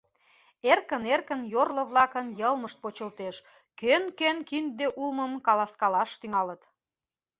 Эркын-эркын йорло-влакын йылмышт почылтеш: кӧн-кӧн кинде улмым каласкалаш, тӱҥалыт.